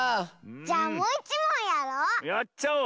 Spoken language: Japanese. じゃあもういちもんやろう。